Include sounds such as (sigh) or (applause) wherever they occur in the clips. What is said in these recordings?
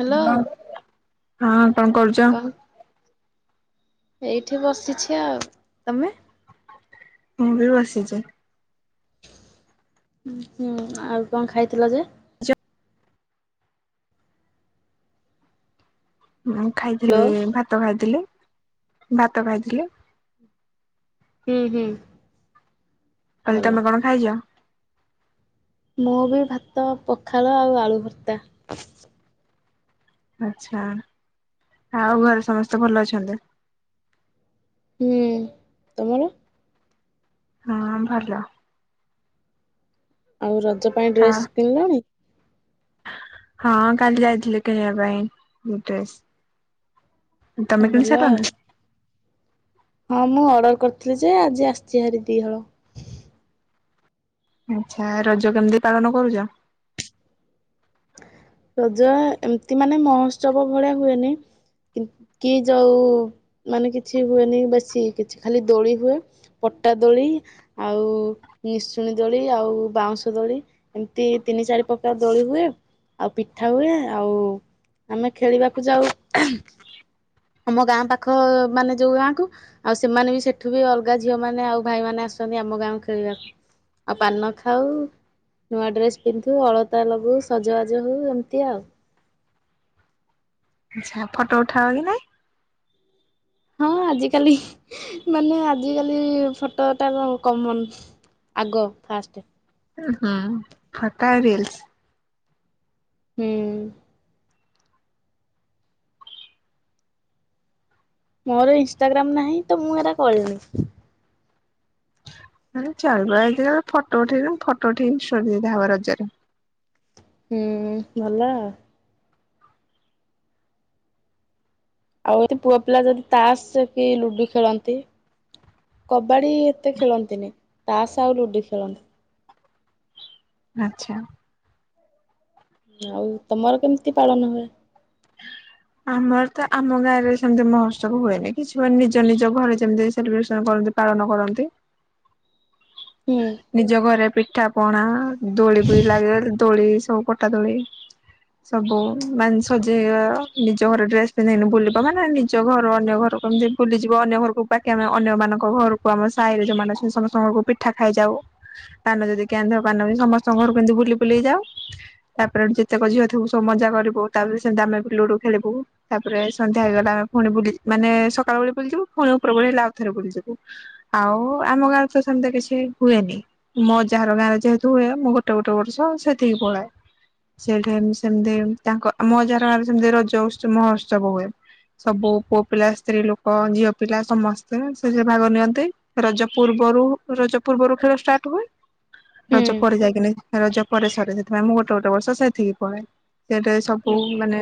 Hello ହଁ। କଣ କରୁଛ। ଏଇଠି ବସିଛି ଆଉ ତମେ ମୁଁ ବି ବସିଛି। ହୁଁ ହୁଁ ଆଉ କଣ ଖାଇଥିଲ ଯେ? ମୁଁ ଖାଇଥିଲି ହ୍ୟାଲୋ ଭାତ ଖାଇଥିଲି। ଭାତ ଖାଇଥିଲି। ହୁଁ ହୁଁ। କାଲି ଭଲ ତମେ କଣ ଖାଇଛ? ମୁଁ ବି ଭାତ ପଖାଳ ଆଉ ଆଳୁ ଭର୍ତ୍ତା। ଆଚ୍ଛା। ଆଉ ଘରେ ସମସ୍ତେ ଭଲ ଅଛନ୍ତି? ହୁଁ ତୁମର? ହଁ ଭଲ। ଆଉ ର ରଜ ପାଇଁ ହଁ ଡ୍ରେସ୍ କିଣିଲଣି? ହଁ କାଲି ଯାଇଥିଲି କିଣିବା ପାଇଁ ଡ୍ରେସ୍ । ତମେ ଭଲ ଆଉ କିଣିସାରିଲଣି? ହଁ ମୁଁ ଅର୍ଡ଼ର କରିଥିଲି ଯେ ଆଜି ଆସିଛି ଭାରି ଦି ହଳ। ଆଚ୍ଛା ରଜ କେମିତି ପାଳନ କରୁଚ? ରଜ ଏମିତି ମାନେ ମହୋଉତ୍ସବ ଭଳିଆ ହୁଏନି। କି କି ଯୋଉ ମାନେ କିଛି ହୁଏନି ବେଶୀ କିଛି ଖାଲି ଦୋଳି ହୁଏ। ପଟା ଦୋଳି, ଆଉ ନିଶୁଣୀ ଦୋଳି, ଆଉ ବାଉଁଶ ଦୋଳି ଏମିତି ତିନି ଚାରି ପ୍ରକାର ଦୋଳି ହୁଏ। ଆଉ ପିଠା ହୁଏ, ଆଉ ଆମେ ଖେଳିବାକୁ ଯାଉ। ଆମ ଗାଁ ପାଖ ମାନେ ଯୋଉ ଗାଁକୁ ଆଉ ସେମାନେ ବି ସେଠୁ ବି ଅଲଗା ଝିଅ ମାନେ ଆଉ ଭାଇ ମାନେ ଆସନ୍ତି ଆମ ଗାଁକୁ ଖେଳିବାକୁ। ଆଉ ପାନ ଖାଉ, ନୂଆ ଡ୍ରେସ୍ ପିନ୍ଧୁ, ଅଳତା ଲଗାଉ ସଜବାଜ ହଉ ଏମିତି ଆଉ। ଆଚ୍ଛା ଫଟୋ ଉଠାଅ କି ନାଇଁ? ହଁ ଆଜିକାଲି ମାନେ ଆଜିକାଲି ଫଟୋ ଟାର କମନ୍ ଆଗ ଫାଷ୍ଟ୍। ହୁଁ ଫୋଟୋ ଆଉ ରିଲ୍ସ । ହୁଁ। ମୋର ଇନଷ୍ଟାଗ୍ରାମ୍ ନାହିଁ ତ ମୁଁ ଏରା କରିନି। ମାନେ ଚଲବା ଏଇଦିନ ଫଟୋ ଉଠେଇନୁ ଫଟୋ ଉଠେଇ ସୁବିଧା ହବାର ରଜ ରେ। ହୁଁ ଭଲ। ଆଉ ଏଟି ପୁଅ ପିଲା ଯଦି ତାସ୍ କି ଲୁଡୁ଼ ଖେଳନ୍ତି। କ କବାଡ଼ି ଏତେ ଖେଳନ୍ତିନି। ତାସ୍ ଆଉ ଲୁଡୁ ଖେଳନ୍ତି। ଆଚ୍ଛା। ଆଉ ତମର କେମିତି ପାଳନ ହୁଏ? ଆମର ତ ଆମ ଗାଁରେ ସେମତି ମହୋଉତ୍ସବ ହୁଏନି। କିଛି ମାନେ ନିଜ ନିଜ ଘରେ ଯେମିତି ସେଲିବ୍ରେସନ୍ କରନ୍ତି ପାଳନ କରନ୍ତି। ହୁଁ ନିଜ ଘରେ ପି ପିଠାପଣା। ଦୋଳି ପୁଳି ଲାଗିଗଲେ ଦୋଳି ସବୁ ପଟା ଦୋଳି ସବୁ ମାନେ ସଜେଇବା ନିଜ ଘରେ ଡ୍ରେସ୍ ପିନ୍ଧିକିନି ବୁଲିବା। ମାନେ ନିଜ ଘର ଅନ୍ୟ ଘରକୁ କେମିତି ବୁଲିଯିବ। ଅନ୍ୟ ଘରକୁ ବାକି ଆମେ ଅନ୍ୟମାନଙ୍କ ଘରକୁ ଆମ ସାହିରେ ଯୋଉମାନେ ଅଛନ୍ତି। ସମସ୍ତଙ୍କ ଘରକୁ ପିଠା ଖାଇଯାଉ। ପାନ ଯଦି କିଏ ଆଣିଥିବ ପାନ ବି ସମସ୍ତଙ୍କ ଘର କୁ ଏମିତି ବୁଲି ବୁଲି ଯାଉ। ତାପରେ ଯେତେକ ଝିଅ ଥିବୁ ସବୁ ମଜା କରିବୁ। ତାପରେ ସେମିତି ଆମେ ଲୁଡୁ ଖେଳିବୁ। ତାପରେ ସନ୍ଧ୍ୟା ହେଇଗଲା ଆମେ ପୁଣି ବୁଲି ମାନେ ସକାଳୁ ବେଳେ ବୁଲିଯିବୁ ପୁଣି ଉପରବେଳି ହେଲେ ଆଉଥରେ ବୁଲିଯିବୁ। ଆଉ-ଉ-ଉ ଆମ ଗାଁରେ ତ ସେମିତି କିଛି ହୁଏନି ମୋ ଅଜା ଘର ଗାଁରେ ଯେହେତୁ ହୁଏ। ମୁଁ ଗୋଟେ ଗୋଟେ ବର୍ଷ ସେଠିକି ପଳାଏ। ସେଠି ସେମିତି ତାଙ୍କ ମୋ ଅଜା ଗାଁ ରେ ସେମତି ରଜ ଉ ମହୋଉତ୍ସବ ହୁଏ। ସବୁ ପୁଅ ପିଲା, ସ୍ତ୍ରୀ ଲୋକ, ଝିଅ ପିଲା ସମସ୍ତେ ସେଠି ଭାଗ ନିଅନ୍ତି। ରଜ ପୂର୍ବରୁ ରଜ ପୂର୍ବରୁ ଖେଳ ଷ୍ଟାର୍ଟ୍ ହୁଏ। ରଜ ପରେ ଯାଇକିନି ରଜ ପରେ ସରେ। ସେଥିପାଇଁ ମୁଁ ଗୋଟେ ଗୋଟେ ବର୍ଷ ସେଠିକି ପଳାଏ। ସେଟ୍ ସବୁ ହୁଁ ମାନେ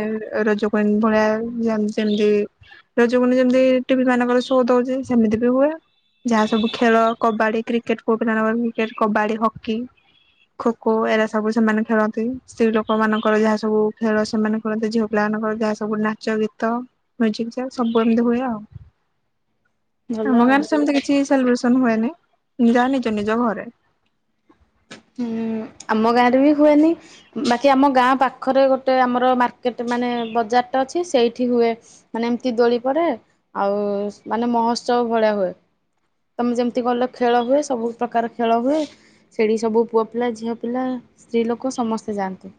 ରଜ ପା- ଭଳିଆ ଯେମିତି ସେମିତି ରଜ କ୍ୟୁଇନ୍ ଯେମତି ଟିଭି ମାନଙ୍କର ଶୋ ଦଉଛି, ସେମିତି ବି ହୁଏ। ଯାହା ସବୁ ଖେଳ କବାଡି଼, କ୍ରିକେଟ କ୍ରିକେଟ୍ ପୁଅ ପିଲାମାନଙ୍କ ର କ୍ରିକେଟ, କବାଡ଼ି, ହକି ଖୋ ଖୋ ଏରା ସବୁ ସେମାନେ ଖେଳନ୍ତି। ସ୍ତ୍ରୀ ଲୋକମାନଙ୍କର ଯାହା ସବୁ ଖେଳ ସେମାନେ ଖେଳନ୍ତି ଝିଅ ପିଲାମାନଙ୍କର ଯାହା ସବୁ ନାଚ ଗୀତ ମ୍ୟୁଜିକ୍ ଚେୟାର ସବୁ ଏମତି ହୁଏ ଆଉ ଭଲ ଆମ ଗାଁ ଆଉ ରେ ସେମିତି କିଛି ସେଲିବେ ହୁଏନି। ଯାହା ନିଜ ନିଜ ଘରେ। ହୁଁ ଆମ ଗାଁ ରେ ବି ହୁଏନି ବାକି ଆମ ଗାଁ ପାଖରେ ଗୋଟେ ଆମର ମାର୍କେଟ୍ ମାନେ ବଜାର ଟା ଅଛି ସେଇଠି ହୁଏ ମାନେ ଏମିତି ଦୋଳି ପରେ ଆଉ ମାନେ ମହୋଉତ୍ସବ ଭଳିଆ ହୁଏ ତମେ ଯେମିତି କହିଲ ଖେଳ ହୁଏ ସବୁ ପ୍ରକାର ଖେଳ ହୁଏ ସେଇଠି ସବୁ ପୁଅ ପିଲା ଝିଅ ପିଲା ସ୍ତ୍ରୀ ଲୋକ ସମସ୍ତେ ଯାଆନ୍ତି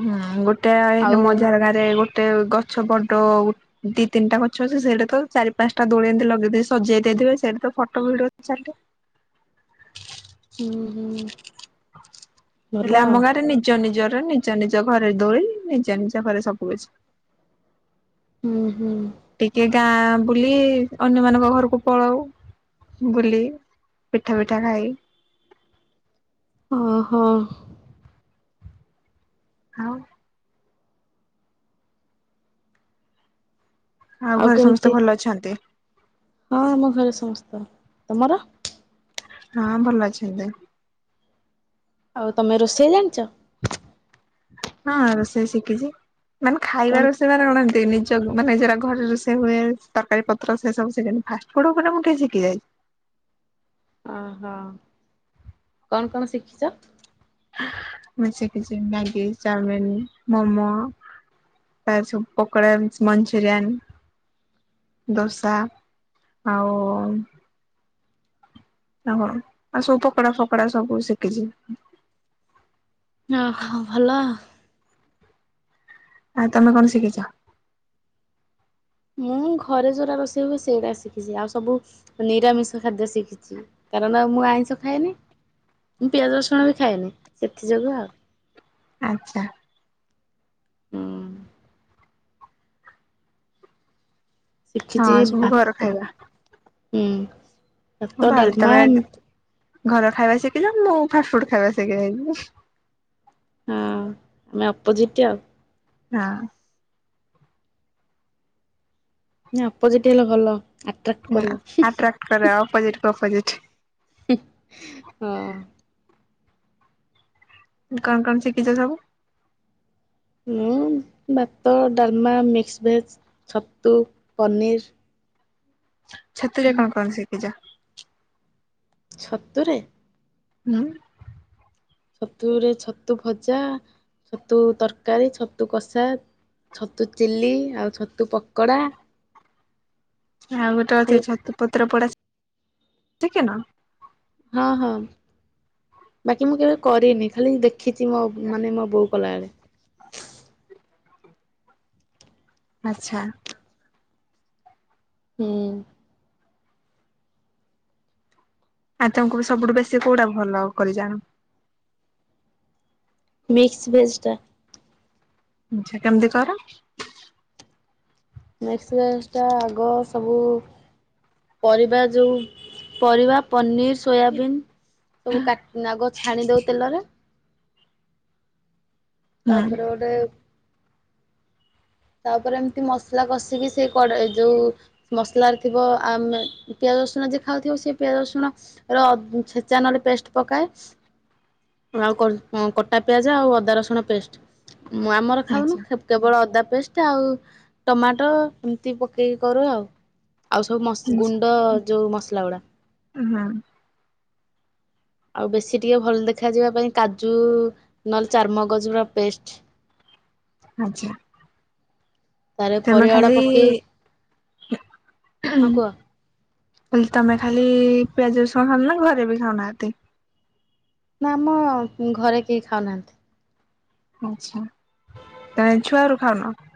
ହୁଁ ଗୋଟେ ଆଏ ଆଉ ମୋ ଜାଗାରେ ଗୋଟେ ଗଛ ପଟୁ। ଦି ତିନିଟା ଗଛ ଅଛି ସେଇଟା ତ ଚାରି ପାଞ୍ଚଟା ଦୋଳି ଏମିତି ଲଗେଇଦେଇ ସଜେଇ ଦେଇଥିବେ ସେଠି ତ ଫଟୋ ଭିଡିଓ ଚାଲେ ହୁଁ ହୁଁ ଭଲ ହେଲେ ଆଉ ଆମ ଗାଁ ରେ ନିଜ ନିଜର ନିଜ ନିଜ ଘରେ ଦୋଳି ନିଜ ନିଜ ଘରେ ସବୁ କିଛି। ହୁଁ ହୁଁ ଟିକେ ଗାଁ ବୁଲି ଅନ୍ୟମାନାନଙ୍କ ଘରକୁ ପଳାଉ ବୁଲି ପିଠା ପିଠା ଖାଇ ଓ ହୋ ହଉ ଆଉ ଘରେ ସମସ୍ତେ ଭଲ ଅଛନ୍ତି। ହଁ ଆମ ଘରେ ସମସ୍ତ ତମର? ହଁ ଭଲ ଅଛନ୍ତି। ଆଉ ତମେ ରୋଷେଇ ଜାଣିଛ? ହଁ ରୋଷେଇ ଶିଖିଛି। ମାନେ କଣ ଖାଇବା ରଷେଇ ମାନେ ବନାନ୍ତି। ସେ ନିଜ ମାନେ ଯାହା ଘରରେ ସେ ହୁଏ ତରକାରୀ ପତ୍ର ସେ ସବୁ କିଣେ ଫାଷ୍ଟଫୁଡ ମୁଁ ଟିକେ ଶିଖି ଯାଏ। ଓହୋ କଣ କଣ ଶିଖିଛ। ମି ସେ କିଛି ମ୍ୟାଗି ଚାଉମିିନ ମୋମୋ ତା ସବୁ ପକୋଡ଼ା ମଞ୍ଚୁରିଆନ୍ ଦୋସା ଆଉ ନା ହଁ ଆଉ ସବୁ ପକୋଡା ଫକୋଡା ସବୁ ଶିଖିଛି। ଓ ହୋ ଭଲ ଆଉ। ଆଉ ତମେ କଣ ଶିଖିଛ? ମୁଁ ଘରେ ଯେଉଁଟା ରୋଷେଇ ହୁଏ ସେଇଟା ଶିଖିଛି ଆଉ ସବୁ ନିରାମିଷ ଖାଦ୍ୟ ଶିଖିଛି କାରଣ ମୁଁ ଆଇଁଷ ଖାଏନି ମୁଁ ପିଆଜ ରସୁଣ ବି ଖାଏନି ସେଥିଯୋଗୁଁ ଆଉ। ଆଚ୍ଛା ହୁଁ ଶିଖିଛି ହଁ ସବୁ ଘର ଭାତ ଖାଇବା ହୁଁ ହଁ ଭାତ ଭଲ ଡାଲମା। ତମେ ଘର ଖାଇବା ଶିଖିଛ ମୁ ଫାଷ୍ଟ ଫୁଡ ଖାଇବା ଶିଖେଇଦେବି। ହଁ ଆମେ ଅପୋଜିଟ୍ ଆଉ ହଁ ନା ଅପୋଜିଟ ହେଲେ ଭଲ। ଆଟ୍ରାକ୍ଟ ନା କରିବ ଆଟ୍ରାକ୍ଟ କରେ ଅପୋଜିିଟ କ ଅପୋଜିଟ। ହଁ। କଣ କଣ ଶିଖିଛ ସବୁ। ମୁଁ ଭାତ ଡାଲମା ମିକ୍ସ ଭେଜ ଛତୁ ପନିର୍ ଛତୁରେ କଣ କଣ ଶିଖିଛ? ଛତୁରେ ହୁଁ। ଛତୁରେ ଛତୁ ଭଜା ଛତୁ ତରକାରୀ ଛତୁ କଷା ଛତୁ ଚିଲି ଆଉ ଛତୁ ପୋକଡା। ଆଉ ଗୋଟେ ଅଛି ଛତୁ ପତ୍ର ପଡା ଟିକେ ନା ହଁ ହଁ। ଖିଚି ମ ମାନେ ମ ବୋଉ କଲ ବେଳେ। ଆଚ୍ଛା। ହୁଁ। ଆଉ ତମକୁ ବି ସବୁଠୁ ବେଶୀ କୋଉଟା ଭଲ କରି ଜାଣ ମିକ୍ସ ଭେଜଟା। ଆଚ୍ଛା କେମିତି କର? ଟା ଆଗ ସବୁ ପରିବା ଯୋଉ ପରିବା ପନିର ସୋୟାବିନ୍ ସବୁ କାଟି ଆଗ ଛାଣି ଦଉ ତେଲରେ ହୁଁ ତାପରେ ଗୋଟେ। ତାପରେ ଏମିତି ମସଲା କଷିକି ସେଇ ଯୋଉ ମସଲାରେ ଥିବ ଆମେ ପିଆଜ ରସୁଣ ଯ ଖାଉଥିବ ସେ ପିଆଜ ରସୁଣ ର ଛେଚା ନଲେ ପେଷ୍ଟ ପକାଏ ଆଉ କଟା ପିଆଜ ଆଉ ଅଦା ରସୁଣ ପେଷ୍ଟ। ମୁଁ ଆମର ଖାଉନୁ ଆଚ୍ଛା କେବଳ ଅଦା ପେଷ୍ଟ ଆଉ ଟମାଟୋ ଏମିତି ପକେଇକି କରୁ ଆଉ ଆଉ ସବୁ ମସ ଗୁଣ୍ଡ ଯଉ ମସଲା ଗୁଡା ହୁଁ। ଆଉ ବେଶୀ ଟିକେ ଭଲ ଦେଖାଯିବା ପାଇଁ କାଜୁ ନହେଲେ ଚାର୍ମଗଜୁର ପେଷ୍ଟ। ଆଚ୍ଛା। ତାର ତମେ ପରିବା ଗୁଡା ଖାଲି ପକେଇ ହଁ କୁହ। ତମେ ଖାଲି ପିଆଜ ରସୁଣ ଖାଉ ନା ଘରେ ବି ଖାଉନାହାନ୍ତି। ନା ଆମ ଘରେ କେହି ଖାଉନାହାନ୍ତି। ଆଚ୍ଛା ତା ଛୁଆ ରୁ ଖାଉ ନ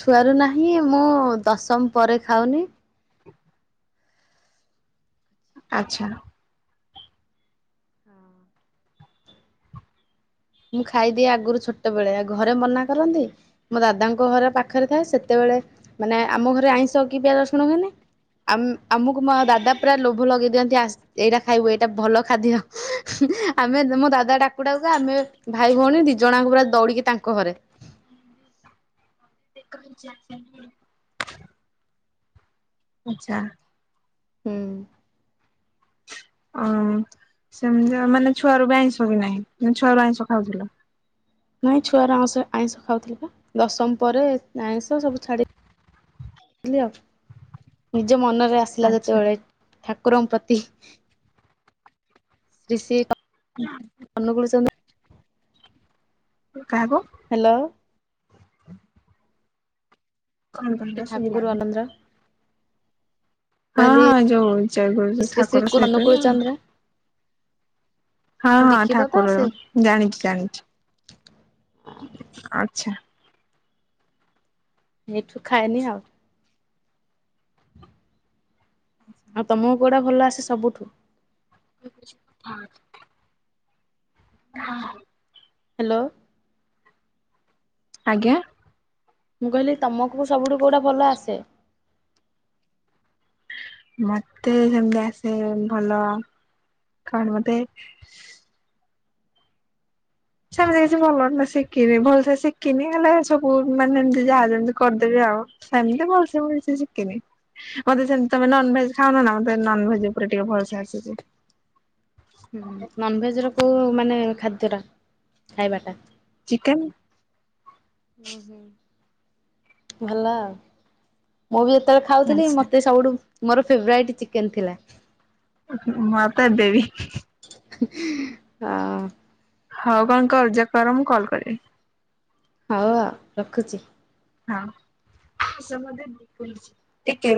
ଛୁଆରୁ ନାହିଁ ମୁଁ ଦଶମ ପରେ ଖାଉନି (unintelligible) ଆଚ୍ଛା। ମୁଁ ଖାଇଦିଏ ଆଗରୁ ଛୋଟ ବେଳେ ଆ ଘରେ ମନା କରନ୍ତି ମୋ ଦାଦାଙ୍କ ଘର ପାଖରେ ଥାଏ ସେତେବେଳେ ମାନେ ଆମ ଘରେ ଆଇଁଷ କି ପିଆଜ ଶୁଣୁ ହୁନି ଆମକୁ ଦାଦା ପୁରା ଲୋଭ ଲଗେଇ ଦିଅନ୍ତି ଆ ଏଇଟା ଖାଇବୁ ଏଇଟା ଭଲ ଖାଦ୍ୟ ଆମେ ମୋ ଦାଦା ଡାକୁ ଡାକୁ ଆମେ ଭାଇ ଭଉଣୀ ଦି ଜଣଙ୍କୁ ପୁରା ଦୌଡିକି ତାଙ୍କ ଘରେ (unintelligible) ଆଚ୍ଛା। ହୁଁ। ଅ ସେମିତି ମାନେ ଛୁଆରୁ ବି ଆଇଁଷ କି ନାହିଁ ଛୁଆ ର ଆଇଁଷ ଖାଉଥିଲ। ନାଇଁ ଛୁଆର ଆଁଷ ଆଇଁଷ ଖାଉଥିଲ ବା ଦଶମ ପରେ ଆଇଁଷ ସବୁ ଛାଡିଥିଲି ଆଉ ଜ ମନରେ ଆସିଲା ଆଚ୍ଛା। ଯେତେବେଳେ ଠାକୁରଙ୍କ ପ୍ରତି ଶ୍ରୀ ଶ ଅନୁଗୁଳ ସ କାହାକୁ। ହ୍ୟାଲୋ। (inaudible) କଣ କହିଲ ଠାକୁର ଶୁଭିଲାନି। ଆନନ୍ଦର ହଁ ହଁ ଯୋଉ ଜୟଗୁରୁଜ ଶ୍ରୀ ଶ୍ରୀ ଠାକୁର ସେହିଟ ଅନୁକୂଳ ଚନ୍ଦ୍ର ହଁ ମୁଁ ହଁ ଦୀକ୍ଷିତ ତ ଠାକୁର ସେ ଜାଣିଛି ଜାଣିଛି ଆଚ୍ଛା। ଏଇଠୁ ଖାଇନି ଆଉ ଆଉ ତମୁ କୁଆଡେ ଭଲ ଆସେ ସବୁଠୁ ଥା ହଁ। ହ୍ୟାଲୋ। ଆଜ୍ଞା। ମୁଁ କହିଲି ତମକୁ ସବୁଠୁ କୋଉଟା ଭଲ ଆସେ। ମତେ ସେମିତି ଆସେ ଭଲ କଣ ମତେ ସେମିତି କିଛି ଭଲ ନା ଶିଖିନି ଭଲସେ ଶିଖିନି ହେଲେ ସବୁ ମାନେ ଏମିତି ଯାହା ଯେମତି କରିଦେବି ଆଉ ସେମିତି ଭଲସ ଶିଖିନି ମତେ ସେମତି ତମେ ନନଭେଜ ଖାଉନ ନା ମତେ ନନଭେଜ ଉପରେ ଟିକେ ଭଲସେ ଆସିଛି। ହୁଁ ନନଭେଜ ର କୋ ମାନେ ଖାଦ୍ୟ ଟା ଖାଇବା ଟା ଚିକେନ। ହୁଁ ହୁଁ। ଭଲ ମୁଁ ବି ଏତେ ତବେଳେ ମାଛ ଖାଉଥିଲି ମତେ ସବୁଠୁ ମୋର ଫେବରାଇଟ ଚିକେନ ଥିଲା। ମତେ ବି। ହଁ। ହଉ କଣ କର ଯ କର ମୁଁ କଲ କରିବି। ହଉ ରଖୁଛି। ହଁ କେ